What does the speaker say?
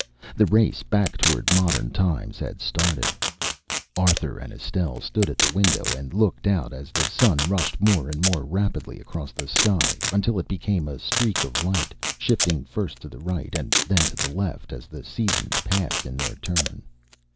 The race back toward modern times had started. Arthur and Estelle stood at the window and looked out as the sun rushed more and more rapidly across the sky until it became but a streak of light, shifting first to the right and then to the left as the seasons passed in their turn.